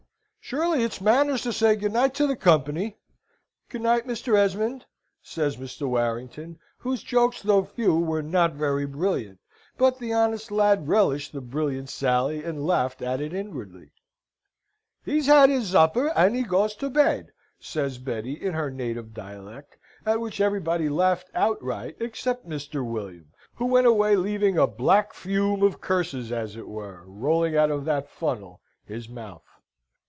"Surely it's manners to say good night to the company. Good night, Mr. Esmond," says Mr. Warrington, whose jokes, though few, were not very brilliant; but the honest lad relished the brilliant sally and laughed at it inwardly. "He's ad his zopper, and he goes to baid!" says Betty, in her native dialect, at which everybody laughed outright, except Mr. William, who went away leaving a black fume of curses, as it were, rolling out of that funnel, his mouth.